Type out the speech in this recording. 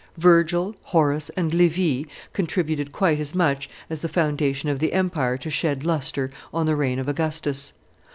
Virgil, Horace, and Livy contributed quite as much as the foundation of the empire to shed lustre on the reign of Augustus.